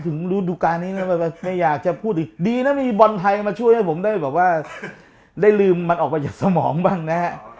ฤดูการนี้นะไม่อยากจะพูดอีกดีนะมีบอลไทยมาช่วยให้ผมได้แบบว่าได้ลืมมันออกมาจากสมองบ้างนะฮะ